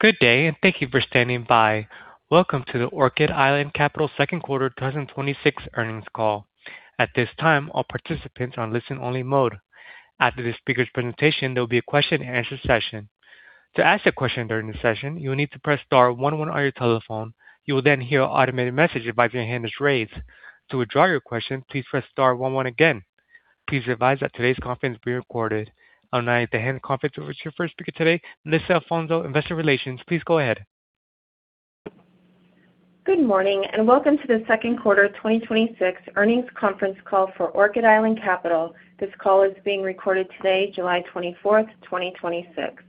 Good day. Thank you for standing by. Welcome to the Orchid Island Capital Second Quarter 2026 Earnings Call. At this time, all participants are in listen only mode. After the speaker's presentation, there will be a question and answer session. To ask a question during the session, you will need to press star one one on your telephone. You will then hear an automated message advise your hand is raised. To withdraw your question, please press star one one again. Please be advised that today's conference is being recorded. I would now like to hand the conference over to your first speaker today, Melissa Alfonso, investor relations. Please go ahead. Good morning. Welcome to the second quarter 2026 earnings conference call for Orchid Island Capital. This call is being recorded today, July 24th, 2026.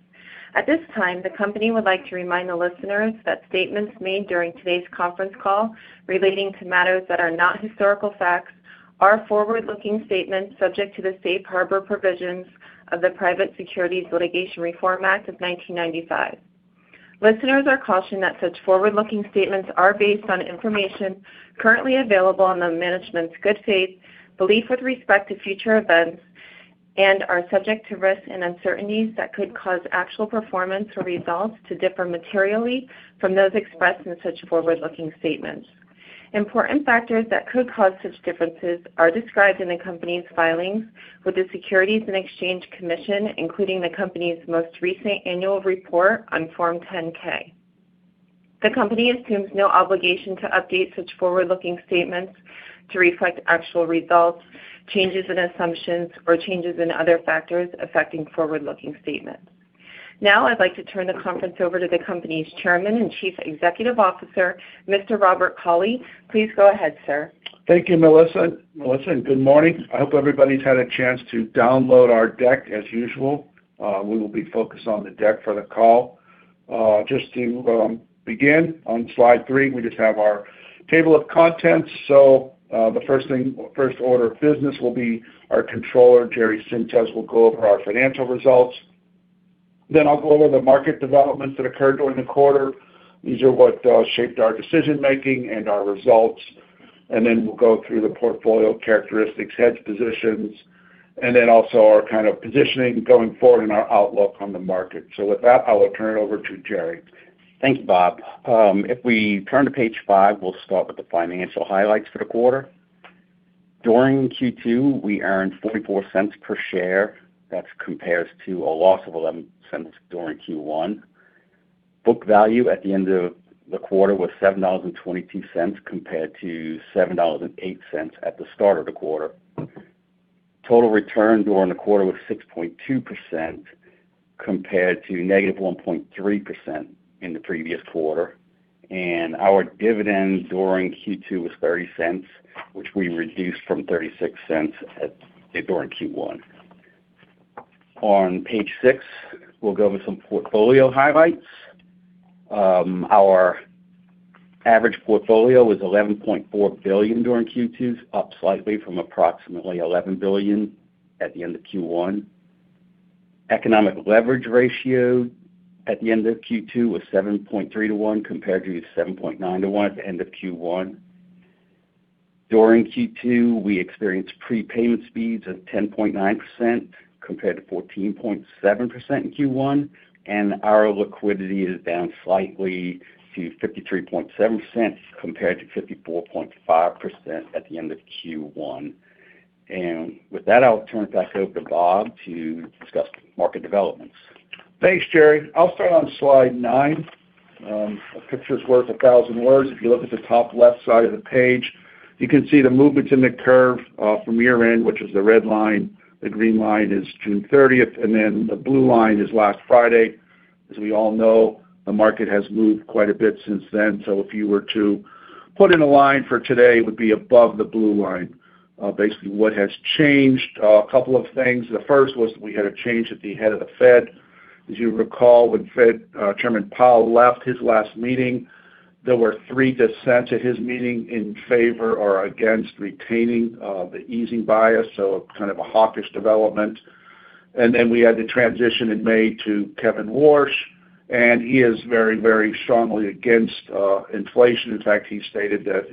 At this time, the company would like to remind the listeners that statements made during today's conference call relating to matters that are not historical facts are forward-looking statements subject to the safe harbor provisions of the Private Securities Litigation Reform Act of 1995. Listeners are cautioned that such forward-looking statements are based on information currently available and the management's good faith belief with respect to future events, and are subject to risks and uncertainties that could cause actual performance or results to differ materially from those expressed in such forward-looking statements. Important factors that could cause such differences are described in the company's filings with the Securities and Exchange Commission, including the company's most recent annual report on Form 10-K. The company assumes no obligation to update such forward-looking statements to reflect actual results, changes in assumptions, or changes in other factors affecting forward-looking statements. I'd like to turn the conference over to the company's Chairman and Chief Executive Officer, Mr. Robert Cauley. Please go ahead, sir. Thank you, Melissa. Good morning. I hope everybody's had a chance to download our deck. As usual, we will be focused on the deck for the call. Just to begin, on slide three, we just have our table of contents. The first order of business will be our Controller, Jerry Sintes, will go over our financial results. I'll go over the market developments that occurred during the quarter. These are what shaped our decision-making and our results. We'll go through the portfolio characteristics, hedge positions, and then also our kind of positioning going forward and our outlook on the market. With that, I will turn it over to Jerry. Thank you, Bob. If we turn to page five, we'll start with the financial highlights for the quarter. During Q2, we earned $0.44 per share. That compares to a loss of $0.11 during Q1. Book value at the end of the quarter was $7.22 compared to $7.08 at the start of the quarter. Total return during the quarter was 6.2% compared to -1.3% in the previous quarter. Our dividend during Q2 was $0.30, which we reduced from $0.36 during Q1. On page six, we'll go over some portfolio highlights. Our average portfolio was $11.4 billion during Q2, up slightly from approximately $11 billion at the end of Q1. Economic leverage ratio at the end of Q2 was 7.3:1 compared to 7.9:1 at the end of Q1. During Q2, we experienced prepayment speeds of 10.9% compared to 14.7% in Q1. Our liquidity is down slightly to 53.7% compared to 54.5% at the end of Q1. With that, I'll turn it back over to Bob to discuss market developments. Thanks, Jerry. I'll start on slide nine. A picture's worth a thousand words. If you look at the top left side of the page, you can see the movement in the curve from year-end, which is the red line. The green line is June 30th. The blue line is last Friday. As we all know, the market has moved quite a bit since then. If you were to put in a line for today, it would be above the blue line. Basically, what has changed? A couple of things. The first was we had a change at the head of the Fed. As you recall, when Fed Chairman Powell left his last meeting, there were three dissent at his meeting in favor or against retaining the easing bias. Kind of a hawkish development. We had the transition in May to Kevin Warsh, and he is very strongly against inflation. In fact, he stated that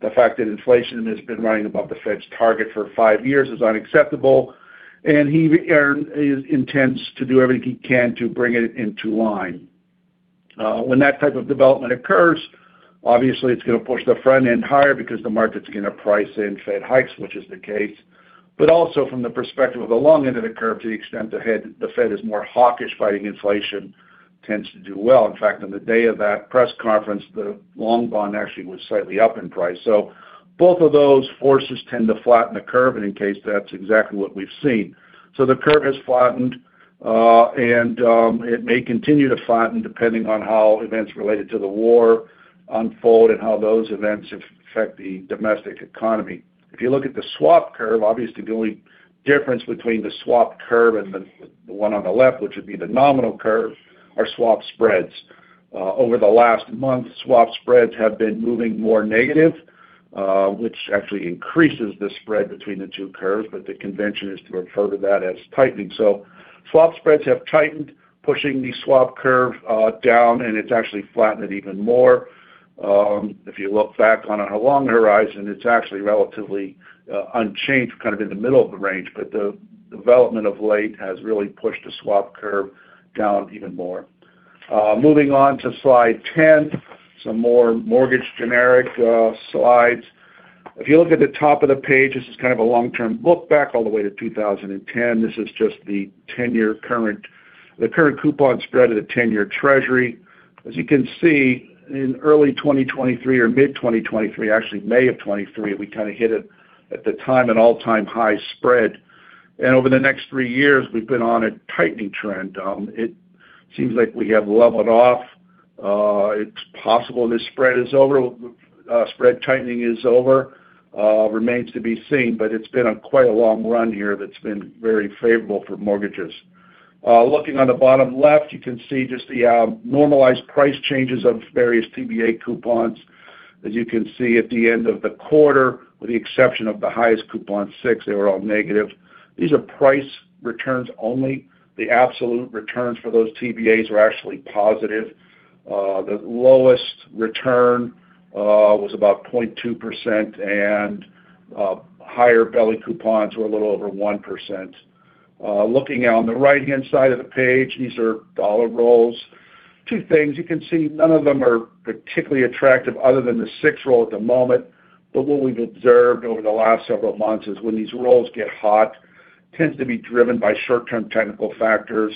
the fact that inflation has been running above the Fed's target for five years is unacceptable, and he intends to do everything he can to bring it into line. When that type of development occurs, obviously it's going to push the front end higher because the market's going to price in Fed hikes, which is the case. Also from the perspective of the long end of the curve, to the extent the Fed is more hawkish, fighting inflation tends to do well. In fact, on the day of that press conference, the long bond actually was slightly up in price. Both of those forces tend to flatten the curve. In case that's exactly what we've seen. The curve has flattened, and it may continue to flatten depending on how events related to the war unfold and how those events affect the domestic economy. If you look at the swap curve, obviously the only difference between the swap curve and the one on the left, which would be the nominal curve, are swap spreads. Over the last month, swap spreads have been moving more negative, which actually increases the spread between the two curves. The convention is to refer to that as tightening. Swap spreads have tightened, pushing the swap curve down, and it's actually flattened it even more. If you look back on a long horizon, it's actually relatively unchanged, kind of in the middle of the range, but the development of late has really pushed the swap curve down even more. Moving on to slide 10, some more mortgage generic slides. If you look at the top of the page, this is kind of a long-term look back all the way to 2010. This is just the current coupon spread of the 10-year Treasury. As you can see, in early 2023 or mid-2023, actually May of 2023, we kind of hit it at the time, an all-time high spread. Over the next three years, we've been on a tightening trend. It seems like we have leveled off. It's possible this spread tightening is over. Remains to be seen, but it's been on quite a long run here that's been very favorable for mortgages. Looking on the bottom left, you can see just the normalized price changes of various TBA coupons. As you can see at the end of the quarter, with the exception of the highest coupon six, they were all negative. These are price returns only. The absolute returns for those TBAs were actually positive. The lowest return was about 0.2%, and higher belly coupons were a little over 1%. Looking on the right-hand side of the page, these are dollar rolls. Two things. You can see none of them are particularly attractive other than the six roll at the moment. What we've observed over the last several months is when these rolls get hot, tends to be driven by short-term technical factors.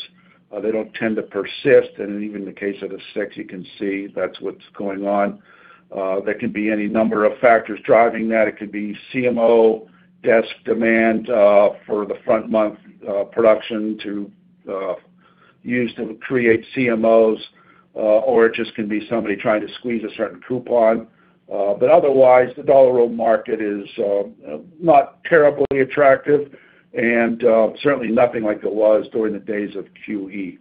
They don't tend to persist, and even in the case of the six, you can see that's what's going on. There can be any number of factors driving that. It could be CMO desk demand for the front-month production to use to create CMOs, or it just can be somebody trying to squeeze a certain coupon. Otherwise, the dollar roll market is not terribly attractive and certainly nothing like it was during the days of QE.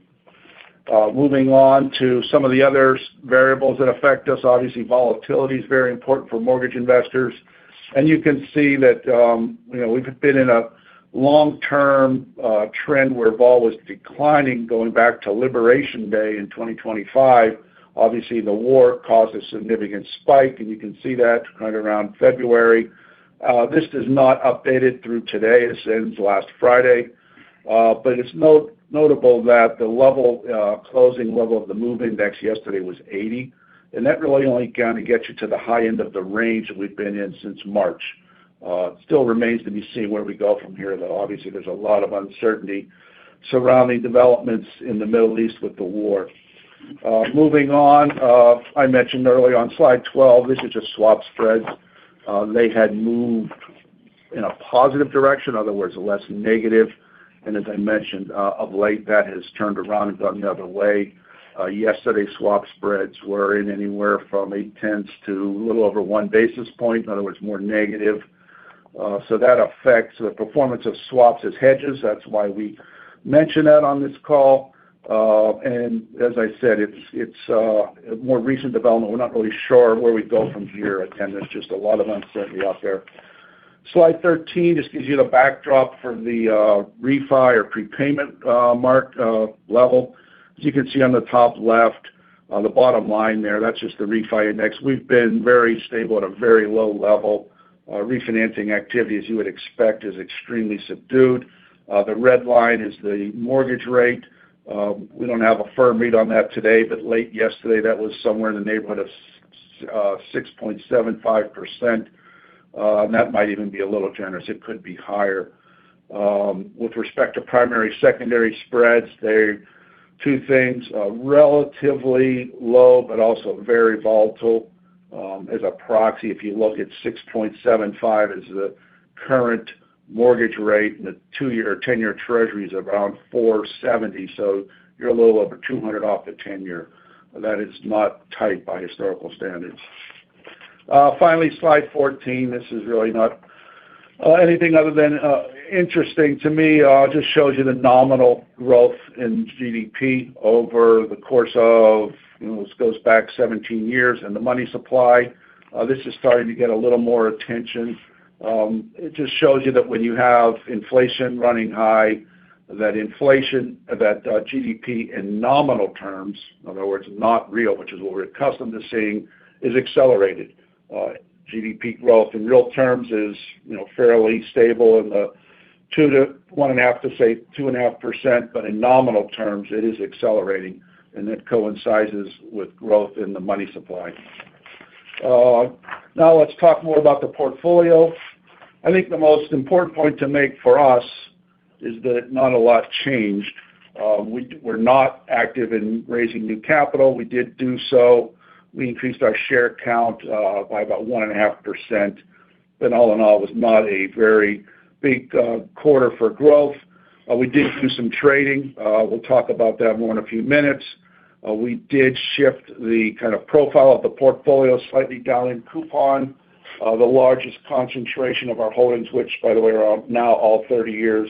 Moving on to some of the other variables that affect us. Obviously, volatility is very important for mortgage investors. You can see that we've been in a long-term trend where vol was declining going back to Liberation Day in 2025. Obviously, the war caused a significant spike, and you can see that right around February. This is not updated through today. This ends last Friday. It's notable that the closing level of the MOVE Index yesterday was 80, and that really only kind of gets you to the high end of the range that we've been in since March. Still remains to be seen where we go from here, though obviously there's a lot of uncertainty surrounding developments in the Middle East with the war. Moving on. I mentioned earlier on slide 12, this is just swap spreads. They had moved in a positive direction. In other words, less negative. As I mentioned, of late, that has turned around and gone the other way. Yesterday, swap spreads were in anywhere from 0.8 to a little over 1 basis point. In other words, more negative. That affects the performance of swaps as hedges. That's why we mention that on this call. As I said, it's a more recent development. We're not really sure where we go from here. There's just a lot of uncertainty out there. Slide 13 just gives you the backdrop for the refi or prepayment mark level. As you can see on the top left, on the bottom line there, that's just the refi index. We've been very stable at a very low level. Refinancing activity, as you would expect, is extremely subdued. The red line is the mortgage rate. We don't have a firm read on that today, but late yesterday, that was somewhere in the neighborhood of 6.75%. That might even be a little generous. It could be higher. With respect to primary/secondary spreads, two things. Relatively low, but also very volatile. As a proxy, if you look at 6.75 as the current mortgage rate, and the two-year or 10-year Treasury is around 470, you're a little over 200 off the 10-year. That is not tight by historical standards. Finally, slide 14. This is really not anything other than interesting to me. Just shows you the nominal growth in GDP over the course of, this goes back 17 years, and the money supply. This is starting to get a little more attention. It just shows you that when you have inflation running high, that GDP in nominal terms, in other words, not real, which is what we're accustomed to seeing, is accelerated. GDP growth in real terms is fairly stable in the one and a half to, say, 2.5%, but in nominal terms, it is accelerating, and it coincides with growth in the money supply. Let's talk more about the portfolio. I think the most important point to make for us is that not a lot changed. We're not active in raising new capital. We did do so. We increased our share count by about 1.5%. All in all, it was not a very big quarter for growth. We did do some trading. We'll talk about that more in a few minutes. We did shift the kind of profile of the portfolio slightly down in coupon. The largest concentration of our holdings, which by the way, are now all 30 years,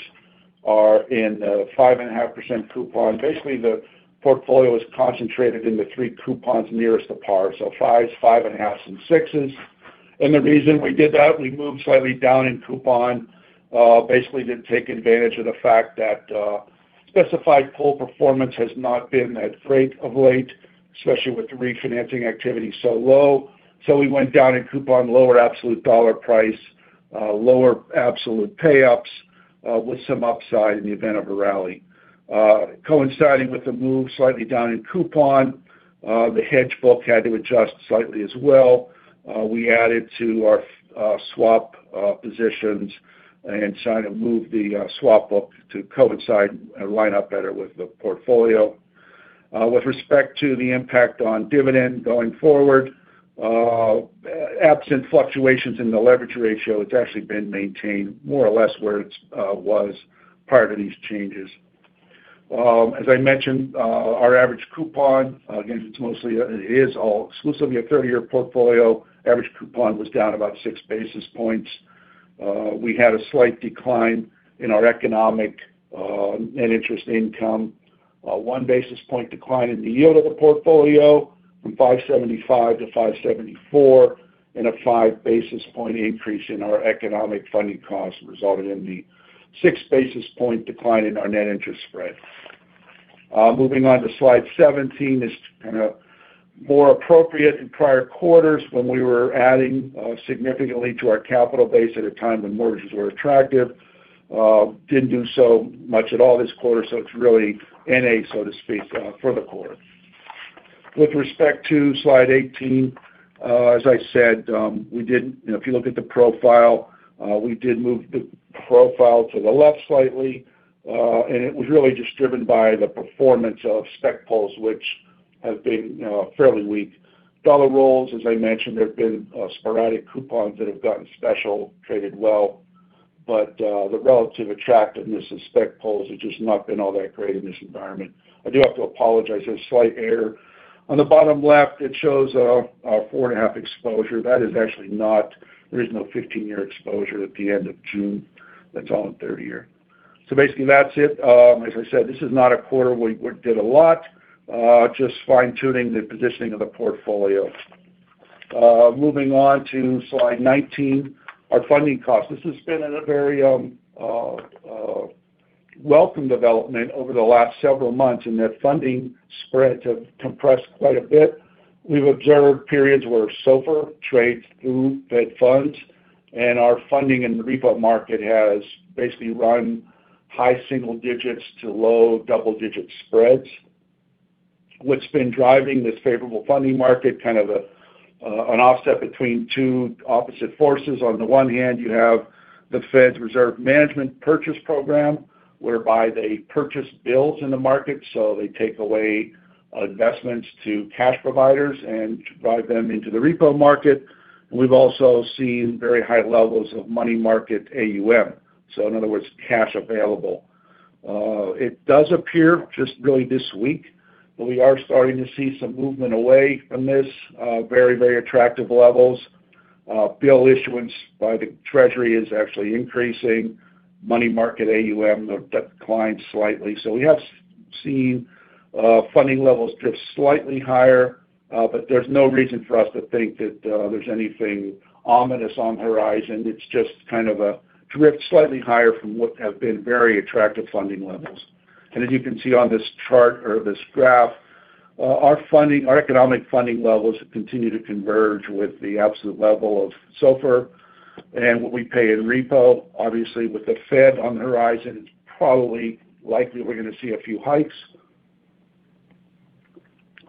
are in the 5.5% coupon. Basically, the portfolio is concentrated in the three coupons nearest to par. So fives, five and a halfs, and sixes. The reason we did that, we moved slightly down in coupon, basically to take advantage of the fact that specified pool performance has not been that great of late, especially with the refinancing activity so low. We went down in coupon, lower absolute dollar price, lower absolute payups, with some upside in the event of a rally. Coinciding with the move slightly down in coupon, the hedge book had to adjust slightly as well. We added to our swap positions and tried to move the swap book to coincide and line up better with the portfolio. With respect to the impact on dividend going forward, absent fluctuations in the leverage ratio, it's actually been maintained more or less where it was prior to these changes. As I mentioned, our average coupon, again, it is all exclusively a 30-year portfolio. Average coupon was down about 6 basis points. We had a slight decline in our economic net interest income. A 1 basis point decline in the yield of the portfolio from 575 to 574, and a 5 basis point increase in our economic funding cost resulted in the 6 basis point decline in our net interest spread. Moving on to slide 17. This is kind of more appropriate in prior quarters when we were adding significantly to our capital base at a time when mortgages were attractive. Didn't do so much at all this quarter, so it's really N/A, so to speak, for the quarter. With respect to slide 18, as I said, if you look at the profile, we did move the profile to the left slightly. It was really just driven by the performance of spec pools, which have been fairly weak. Dollar rolls, as I mentioned, there have been sporadic coupons that have gotten special, traded well. The relative attractiveness of spec pools has just not been all that great in this environment. I do have to apologize, there's a slight error. On the bottom left, it shows a four and a half exposure. There is no 15-year exposure at the end of June. That's all in 30 year. Basically, that's it. As I said, this is not a quarter where we did a lot. Just fine-tuning the positioning of the portfolio. Moving on to slide 19, our funding cost. This has been a very welcome development over the last several months in that funding spreads have compressed quite a bit. We've observed periods where SOFR trades through Fed funds, and our funding in the repo market has basically run high single digits to low double-digit spreads. What's been driving this favorable funding market, kind of an offset between two opposite forces. On the one hand, you have the Fed Reserve Management Purchases program, whereby they purchase bills in the market. They take away investments to cash providers and drive them into the repo market. We've also seen very high levels of money market AUM. In other words, cash available. It does appear, just really this week, that we are starting to see some movement away from this very, very attractive levels. Bill issuance by the Treasury is actually increasing. Money market AUM declined slightly. We have seen funding levels drift slightly higher. There's no reason for us to think that there's anything ominous on the horizon. It's just kind of a drift slightly higher from what have been very attractive funding levels. As you can see on this chart or this graph, our economic funding levels continue to converge with the absolute level of SOFR and what we pay in repo. Obviously, with the Fed on the horizon, it's probably likely we're going to see a few hikes.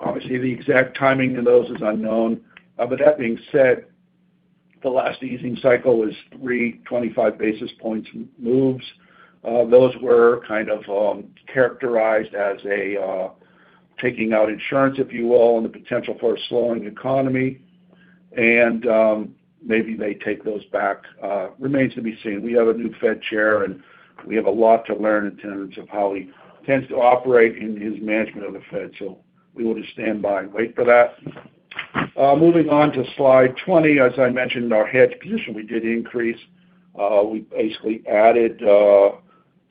Obviously, the exact timing of those is unknown. That being said, the last easing cycle was three 25 basis points moves. Those were kind of characterized as taking out insurance, if you will, on the potential for a slowing economy. Maybe they take those back. Remains to be seen. We have a new Fed chair, and we have a lot to learn in terms of how he tends to operate in his management of the Fed. We will just stand by and wait for that. Moving on to slide 20. As I mentioned, our hedge position, we did increase. We basically added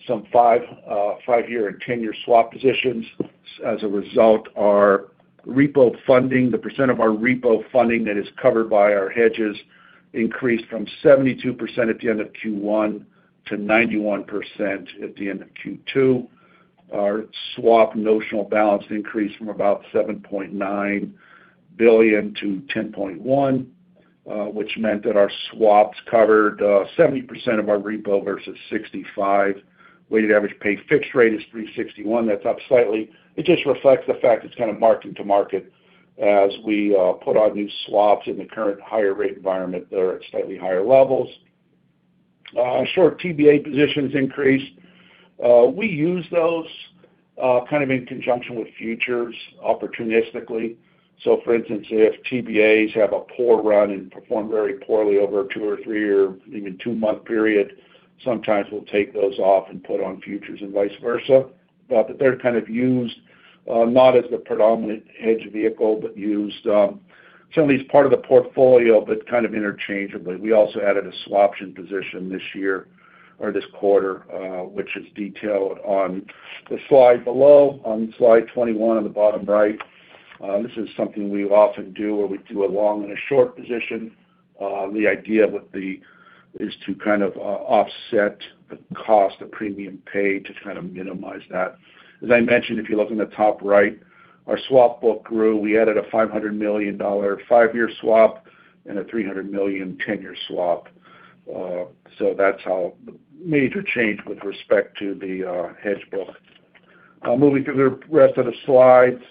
some five-year and 10-year swap positions. As a result, the percent of our repo funding that is covered by our hedges increased from 72% at the end of Q1 to 91% at the end of Q2. Our swap notional balance increased from about $7.9 billion to $10.1 billion, which meant that our swaps covered 70% of our repo versus 65%. Weighted average pay fixed rate is 361. That's up slightly. It just reflects the fact it's kind of marking to market as we put on new swaps in the current higher rate environment that are at slightly higher levels. Short TBA positions increased. We use those kind of in conjunction with futures opportunistically. For instance, if TBAs have a poor run and perform very poorly over a two or three or even two-month period, sometimes we'll take those off and put on futures and vice versa. They're kind of used not as the predominant hedge vehicle, but used certainly as part of the portfolio, but kind of interchangeably. We also added a swaption position this year or this quarter, which is detailed on the slide below, on slide 21 on the bottom right. This is something we often do where we do a long and a short position. The idea is to kind of offset the cost of premium paid to minimize that. As I mentioned, if you look in the top right, our swap book grew. We added a $500 million five-year swap and a $300 million 10-year swap. That's how major change with respect to the hedge book. Moving to the rest of the slides.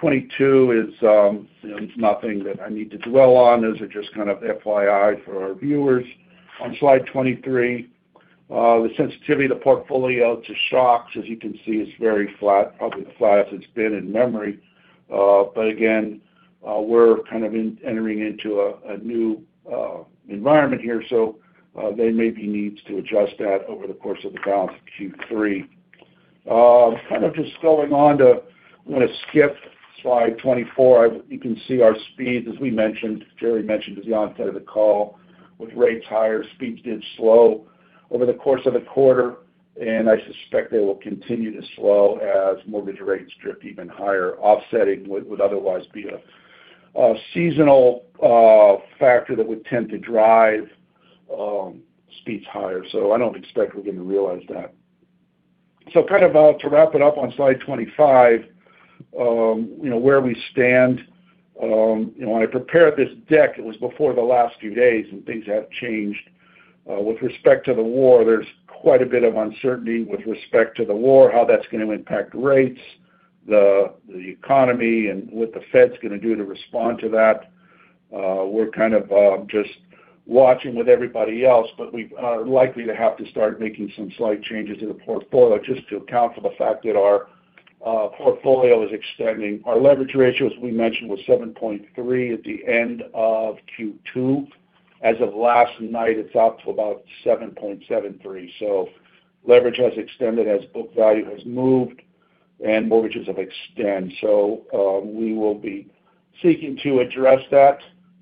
22 is nothing that I need to dwell on. Those are just kind of FYI for our viewers. On slide 23, the sensitivity of the portfolio to shocks, as you can see, is very flat, probably the flattest it's been in memory. Again, we're kind of entering into a new environment here, so there may be needs to adjust that over the course of the balance of Q3. Kind of just going on to, I'm going to skip slide 24. You can see our speeds, as we mentioned, Jerry mentioned at the onset of the call. With rates higher, speeds did slow over the course of the quarter, and I suspect they will continue to slow as mortgage rates drift even higher, offsetting what would otherwise be a seasonal factor that would tend to drive speeds higher. I don't expect we're going to realize that. Kind of to wrap it up on slide 25, where we stand. When I prepared this deck, it was before the last few days, and things have changed. With respect to the war, there's quite a bit of uncertainty with respect to the war, how that's going to impact rates, the economy, and what the Fed's going to do to respond to that. We're kind of just watching with everybody else, we are likely to have to start making some slight changes in the portfolio just to account for the fact that our portfolio is extending. Our leverage ratio, as we mentioned, was 7.3 at the end of Q2. As of last night, it's up to about 7.73. Leverage has extended as book value has moved and mortgages have extended. We will be seeking to address that,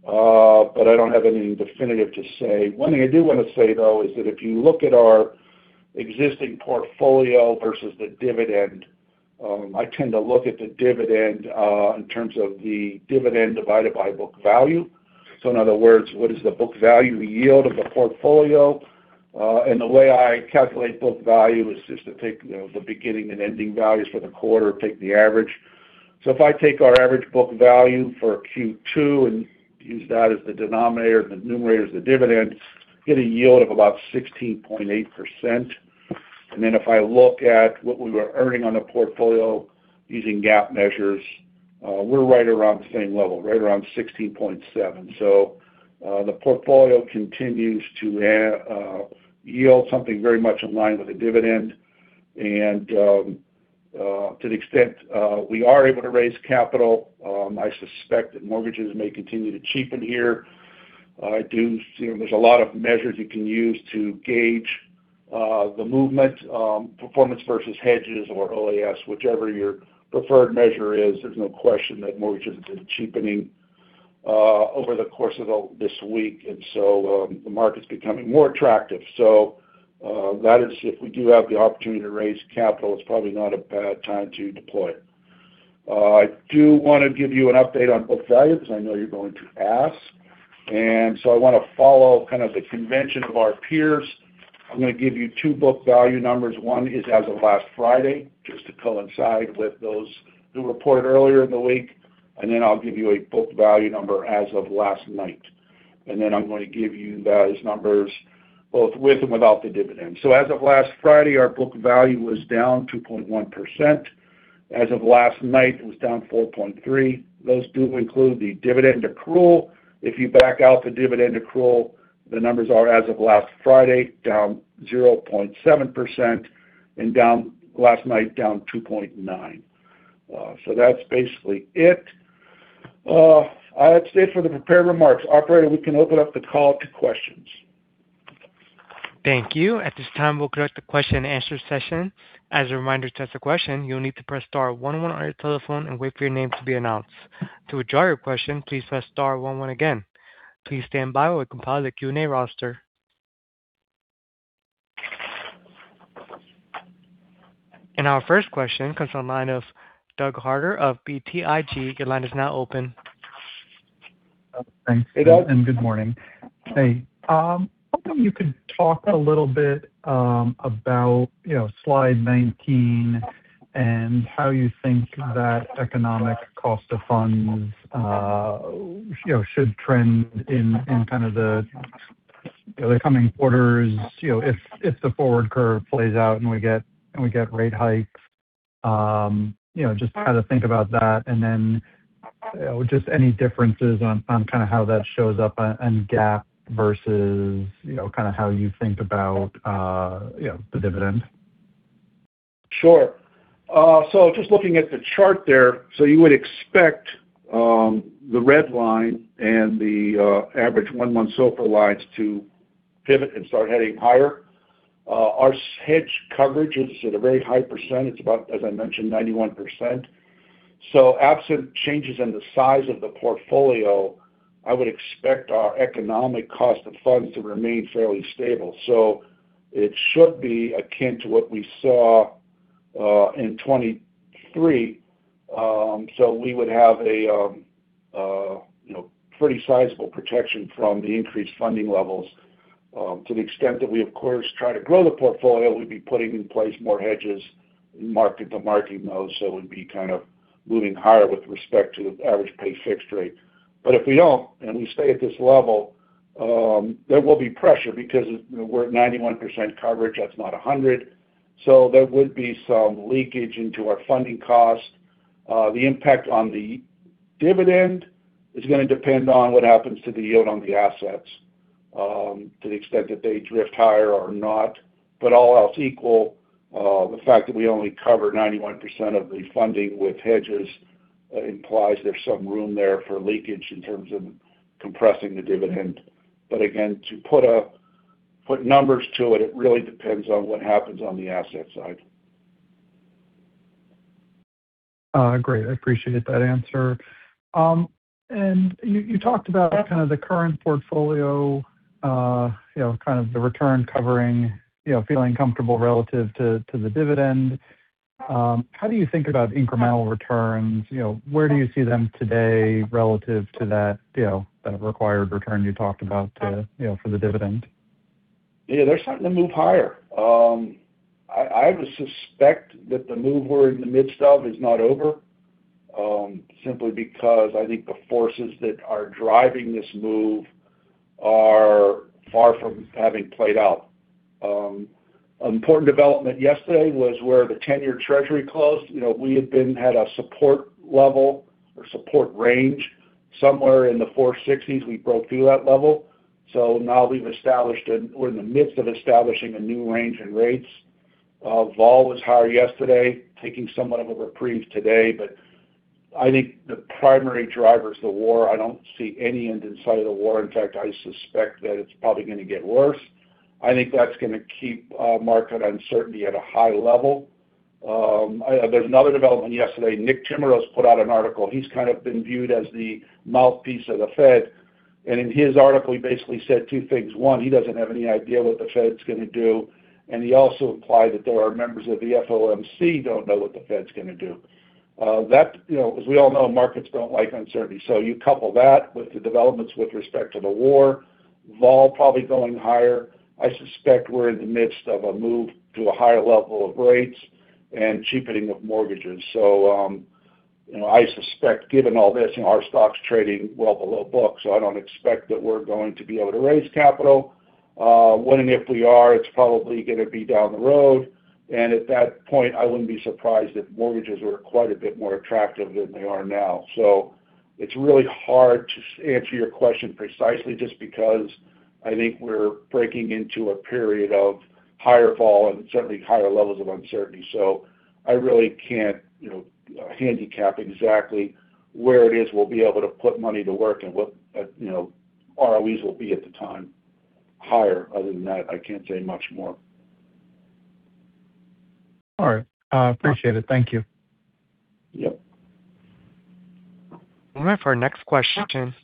but I don't have anything definitive to say. One thing I do want to say, though, is that if you look at our existing portfolio versus the dividend, I tend to look at the dividend in terms of the dividend divided by book value. In other words, what is the book value yield of the portfolio? The way I calculate book value is just to take the beginning and ending values for the quarter, take the average. If I take our average book value for Q2 and use that as the denominator and the numerator as the dividend, get a yield of about 16.8%. Then if I look at what we were earning on the portfolio using GAAP measures, we're right around the same level, right around 16.7%. The portfolio continues to yield something very much in line with the dividend. To the extent we are able to raise capital, I suspect that mortgages may continue to cheapen here. There's a lot of measures you can use to gauge the movement, performance versus hedges or OAS, whichever your preferred measure is. There's no question that mortgages are cheapening over the course of this week, the market's becoming more attractive. That is if we do have the opportunity to raise capital, it's probably not a bad time to deploy it. I do want to give you an update on book value because I know you're going to ask. I want to follow kind of the convention of our peers. I'm going to give you two book value numbers. One is as of last Friday, just to coincide with those who reported earlier in the week, then I'll give you a book value number as of last night. Then I'm going to give you those numbers both with and without the dividend. As of last Friday, our book value was down 2.1%. As of last night, it was down 4.3%. Those do include the dividend accrual. If you back out the dividend accrual, the numbers are as of last Friday, down 0.7%, and last night down 2.9%. That's basically it. That's it for the prepared remarks. Operator, we can open up the call to questions. Thank you. At this time, we'll conduct the question and answer session. As a reminder to ask a question, you'll need to press star one one on your telephone and wait for your name to be announced. To withdraw your question, please press star one one again. Please stand by while we compile the Q&A roster. Our first question comes on line of Doug Harter of BTIG. Your line is now open. Thanks. Hey, Doug. Good morning. Hey. I was hoping you could talk a little bit about slide 19 and how you think that economic cost of funds should trend in kind of the coming quarters, if the forward curve plays out and we get rate hikes. Just how to think about that, and then just any differences on kind of how that shows up in GAAP versus kind of how you think about the dividend. Sure. Just looking at the chart there. You would expect the red line and the average one-month SOFR lines to pivot and start heading higher. Our hedge coverage is at a very high percentage, about, as I mentioned, 91%. Absent changes in the size of the portfolio I would expect our economic cost of funds to remain fairly stable. It should be akin to what we saw in 2023. We would have a pretty sizable protection from the increased funding levels. To the extent that we, of course, try to grow the portfolio, we'd be putting in place more hedges, market-to-market mode, so it would be kind of moving higher with respect to the average pay fixed rate. If we don't and we stay at this level, there will be pressure because we're at 91% coverage, that's not 100. There would be some leakage into our funding cost. The impact on the dividend is going to depend on what happens to the yield on the assets, to the extent that they drift higher or not. All else equal, the fact that we only cover 91% of the funding with hedges implies there's some room there for leakage in terms of compressing the dividend. Again, to put numbers to it really depends on what happens on the asset side. Great. I appreciate that answer. You talked about kind of the current portfolio, kind of the return covering, feeling comfortable relative to the dividend. How do you think about incremental returns? Where do you see them today relative to that required return you talked about for the dividend? Yeah, they're starting to move higher. I would suspect that the move we're in the midst of is not over, simply because I think the forces that are driving this move are far from having played out. An important development yesterday was where the 10-year treasury closed. We had been at a support level or support range somewhere in the 460s. We broke through that level. Now we're in the midst of establishing a new range in rates. Vol was higher yesterday, taking somewhat of a reprieve today. I think the primary driver is the war. I don't see any end in sight of the war. In fact, I suspect that it's probably going to get worse. I think that's going to keep market uncertainty at a high level. There's another development yesterday. Nick Timiraos put out an article. He's kind of been viewed as the mouthpiece of the Fed, in his article, he basically said two things. One, he doesn't have any idea what the Fed's going to do, he also implied that there are members of the FOMC don't know what the Fed's going to do. As we all know, markets don't like uncertainty. You couple that with the developments with respect to the war, vol probably going higher. I suspect we're in the midst of a move to a higher level of rates and cheapening of mortgages. I suspect given all this, our stock's trading well below book, I don't expect that we're going to be able to raise capital. When and if we are, it's probably going to be down the road, and at that point, I wouldn't be surprised if mortgages were quite a bit more attractive than they are now. It's really hard to answer your question precisely just because I think we're breaking into a period of higher vol and certainly higher levels of uncertainty. I really can't handicap exactly where it is we'll be able to put money to work and what ROEs will be at the time. Higher. Other than that, I can't say much more. All right. I appreciate it. Thank you. Yep. One moment for our next question.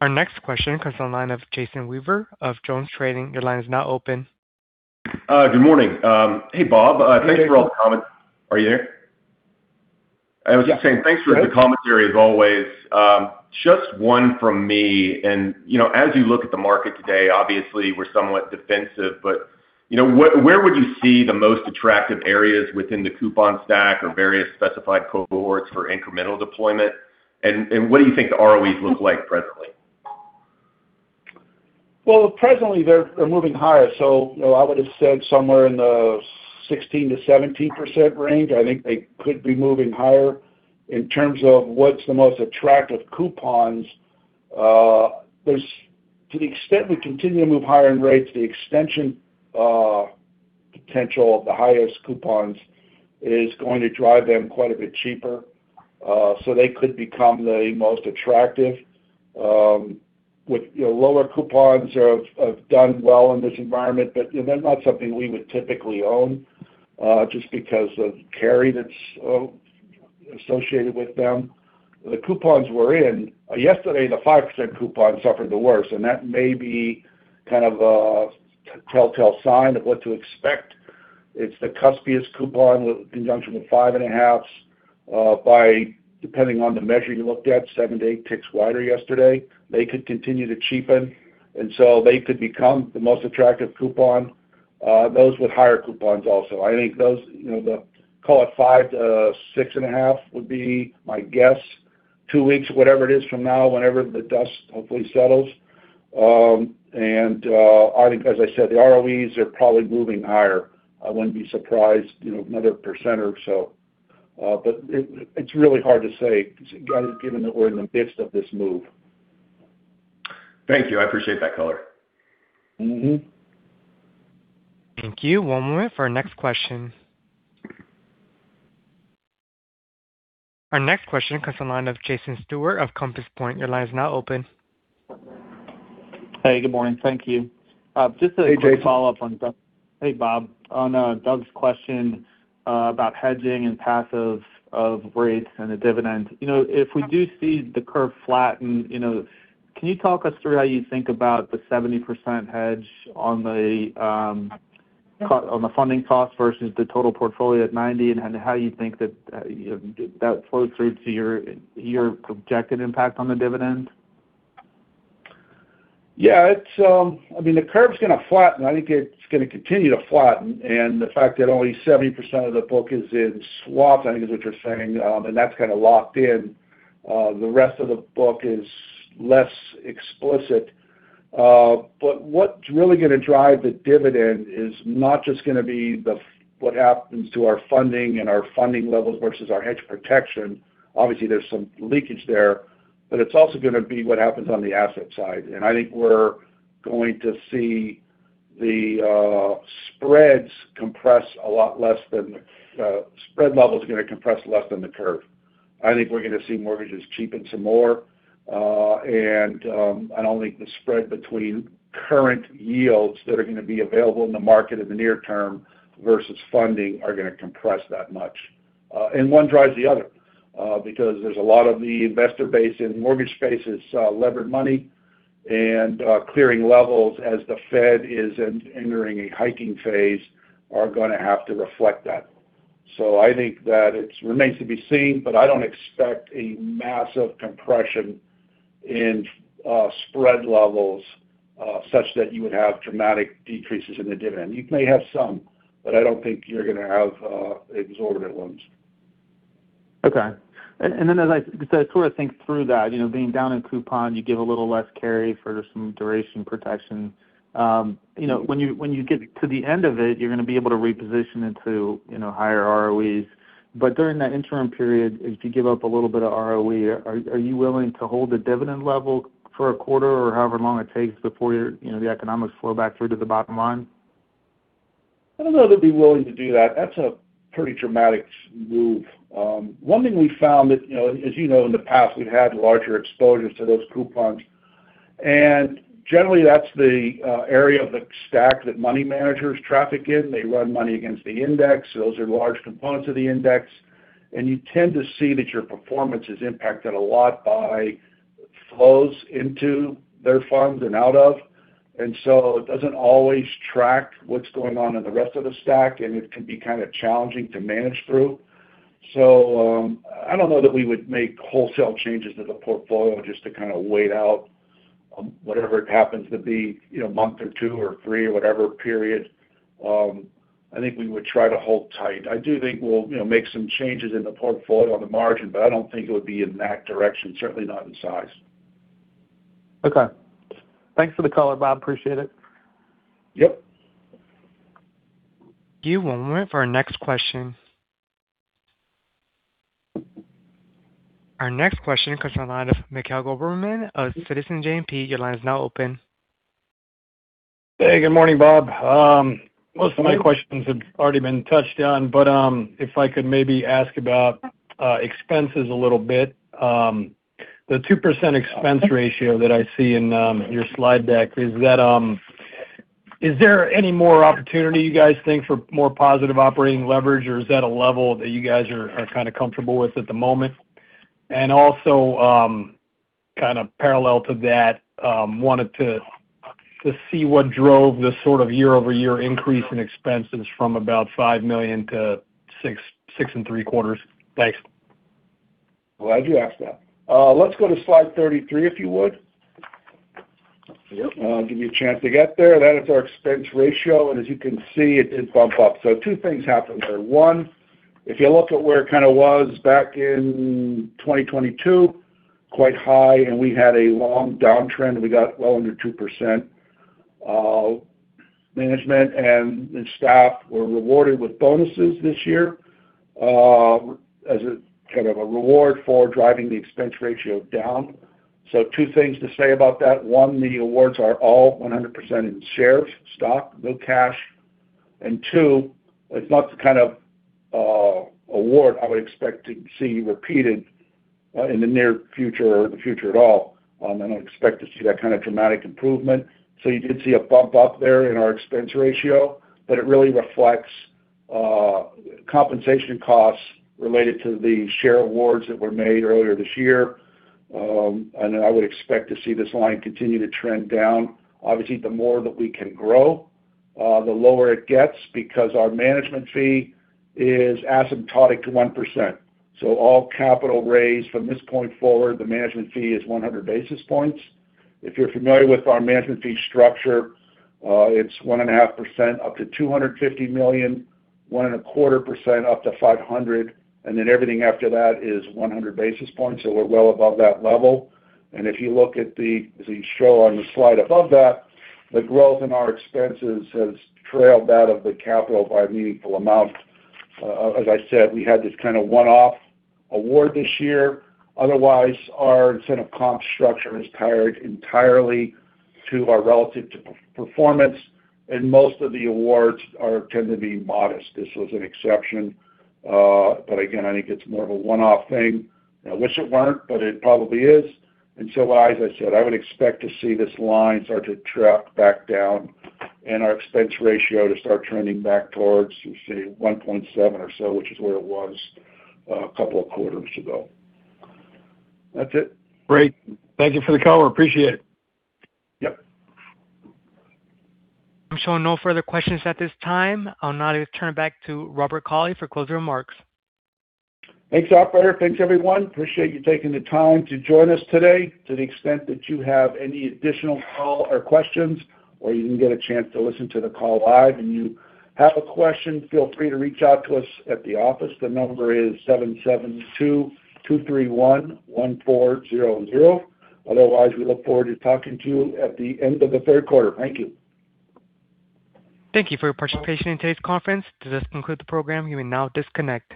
Our next question comes on the line of Jason Weaver of JonesTrading. Your line is now open. Good morning. Hey, Bob. Hey, Jason. Thanks for all the commentary, are you there? Yeah. I was just saying thanks for the commentary, as always. Just one from me. As you look at the market today, obviously, we're somewhat defensive, but where would you see the most attractive areas within the coupon stack or various specified cohorts for incremental deployment? What do you think the ROE look like presently? Well, presently, they're moving higher. I would've said somewhere in the 16%-17% range. I think they could be moving higher. In terms of what's the most attractive coupons, to the extent we continue to move higher in rates, the extension potential of the highest coupons is going to drive them quite a bit cheaper. They could become the most attractive. Lower coupons have done well in this environment, but they're not something we would typically own, just because of carry that's associated with them. The coupons we're in. Yesterday, the 5% coupon suffered the worst, and that may be kind of a telltale sign of what to expect. It's the cuspious coupon in conjunction with 5.5 by, depending on the measure you looked at, seven to eight ticks wider yesterday. They could continue to cheapen, so they could become the most attractive coupon. Those with higher coupons also. I think those, call it five to six and a half, would be my guess. Two weeks, whatever it is from now, whenever the dust hopefully settles. I think, as I said, the ROE are probably moving higher. I wouldn't be surprised, another 1% or so. It's really hard to say, given that we're in the midst of this move. Thank you. I appreciate that color. Thank you. One moment for our next question. Our next question comes on line of Jason Stewart of Compass Point. Your line is now open. Hey, good morning. Thank you. Hey, Jay. Hey, Bob. Just a quick follow-up on Doug's question about hedging and passive of rates and the dividend. If we do see the curve flatten, can you talk us through how you think about the 70% hedge on the funding cost versus the total portfolio at 90, and how you think that flows through to your objective impact on the dividend? Yeah. The curve's going to flatten. I think it's going to continue to flatten, and the fact that only 70% of the book is in swaps, I think is what you're saying, and that's kind of locked in. The rest of the book is less explicit. What's really going to drive the dividend is not just going to be what happens to our funding and our funding levels versus our hedge protection. Obviously, there's some leakage there, but it's also going to be what happens on the asset side. I think we're going to see the spreads compress a lot. Spread level's going to compress less than the curve. I think we're going to see mortgages cheapen some more. I don't think the spread between current yields that are going to be available in the market in the near term versus funding are going to compress that much. One drives the other. Because there's a lot of the investor base in mortgage space is levered money, and clearing levels as the Fed is entering a hiking phase are going to have to reflect that. I think that it remains to be seen, but I don't expect a massive compression in spread levels such that you would have dramatic decreases in the dividend. You may have some, but I don't think you're going to have exorbitant ones. Okay. Then as I sort of think through that, being down in coupon, you give a little less carry for some duration protection. When you get to the end of it, you're going to be able to reposition into higher ROE. During that interim period, if you give up a little bit of ROE, are you willing to hold the dividend level for a quarter or however long it takes before the economics flow back through to the bottom line? I don't know that they'd be willing to do that. That's a pretty dramatic move. One thing we found that, as you know, in the past, we've had larger exposures to those coupons. Generally, that's the area of the stack that money managers traffic in. They run money against the index. Those are large components of the index. You tend to see that your performance is impacted a lot by flows into their funds and out of. It doesn't always track what's going on in the rest of the stack, and it can be kind of challenging to manage through. I don't know that we would make wholesale changes to the portfolio just to kind of wait out whatever it happens to be a month or two or three or whatever period. I think we would try to hold tight. I do think we'll make some changes in the portfolio on the margin, I don't think it would be in that direction, certainly not in size. Okay. Thanks for the color, Bob. Appreciate it. Yep. One moment for our next question. Our next question comes from the line of Mikhail Goberman of Citizens JMP. Your line is now open. Hey, good morning, Bob. Most of my questions have already been touched on, but if I could maybe ask about expenses a little bit. The 2% expense ratio that I see in your slide deck, is there any more opportunity you guys think for more positive operating leverage, or is that a level that you guys are kind of comfortable with at the moment? Also, kind of parallel to that, wanted to see what drove the sort of year-over-year increase in expenses from about $5 million to $6.75 million. Thanks. Glad you asked that. Let's go to slide 33, if you would. Yep. I'll give you a chance to get there. That is our expense ratio, as you can see, it did bump up. Two things happened there. One, if you look at where it kind of was back in 2022, quite high, and we had a long downtrend, and we got well under 2%. Management and staff were rewarded with bonuses this year as a kind of a reward for driving the expense ratio down. Two things to say about that. One, the awards are all 100% in shares, stock, no cash. Two, it's not the kind of award I would expect to see repeated in the near future or the future at all. I don't expect to see that kind of dramatic improvement. You did see a bump up there in our expense ratio, it really reflects compensation costs related to the share awards that were made earlier this year. I would expect to see this line continue to trend down. Obviously, the more that we can grow, the lower it gets because our management fee is asymptotic to 1%. All capital raised from this point forward, the management fee is 100 basis points. If you're familiar with our management fee structure, it's 1.5% up to $250 million, 1.25% up to $500 million, then everything after that is 100 basis points, so we're well above that level. If you look at the show on the slide above that, the growth in our expenses has trailed that of the capital by a meaningful amount. As I said, we had this kind of one-off award this year. Otherwise, our incentive comp structure is tied entirely to our relative to performance, most of the awards tend to be modest. This was an exception. Again, I think it's more of a one-off thing. I wish it weren't, but it probably is. As I said, I would expect to see this line start to track back down and our expense ratio to start trending back towards, let's say, 1.7% or so, which is where it was a couple of quarters ago. That's it. Great. Thank you for the color. Appreciate it. Yep. I'm showing no further questions at this time. I'll now turn back to Robert Cauley for closing remarks. Thanks, operator. Thanks, everyone. Appreciate you taking the time to join us today. To the extent that you have any additional call or questions, or you didn't get a chance to listen to the call live, and you have a question, feel free to reach out to us at the office. The number is 772-231-1400. Otherwise, we look forward to talking to you at the end of the third quarter. Thank you. Thank you for your participation in today's conference. This does conclude the program. You may now disconnect.